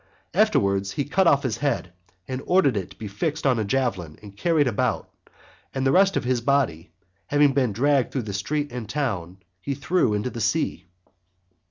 Afterwards he cut off his head, and ordered it to be fixed on a javelin and carried about, and the rest of his body, having been dragged through the street and town, he threw into the sea.